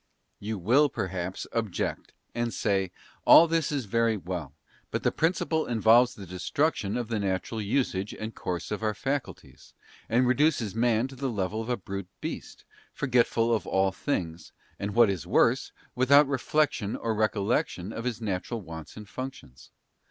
You will, perhaps, object and say: All this is very well, but the principle involves the destruction of the natural usage and course of our faculties, and reduces man to the level of a brute beast, forgetful of all things, and what is worse, without reflection or recollection of his natural wants and functions.